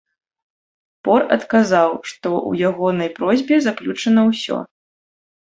Пор адказаў, што ў ягонай просьбе заключана ўсё.